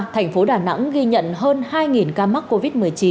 thành phố đà nẵng ghi nhận hơn hai ca mắc covid một mươi chín